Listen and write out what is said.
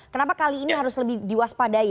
kenapa kali ini harus lebih diwaspadai